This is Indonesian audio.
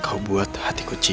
kau buat hatiku cek